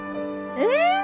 えっ！